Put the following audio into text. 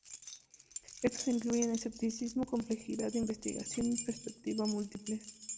Estos incluyen escepticismo, complejidad, investigación y perspectiva múltiples.